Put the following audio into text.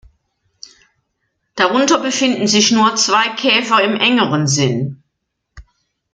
Darunter befinden sich nur zwei Käfer im engeren Sinn.